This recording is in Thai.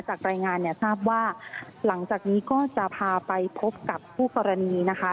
รายงานเนี่ยทราบว่าหลังจากนี้ก็จะพาไปพบกับคู่กรณีนะคะ